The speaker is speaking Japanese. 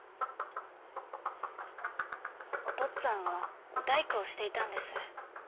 お父っつぁんは大工をしていたんです。